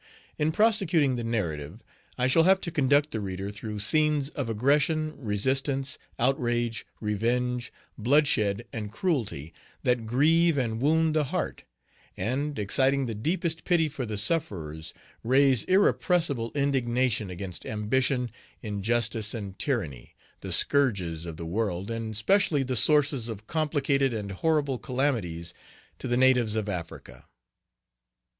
In prosecuting the narrative, I shall have to conduct the reader through scenes of aggression, resistance, outrage, revenge, bloodshed, and cruelty, that grieve and wound the heart, and, exciting the deepest pity for the sufferers, raise irrepressible indignation against ambition, injustice, and tyranny, the scourges of the world, and specially the sources of complicated and horrible calamities to the natives of Africa.